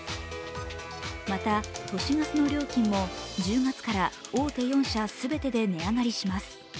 また、都市ガスの料金も１０月から大手４社全てで値上がりします。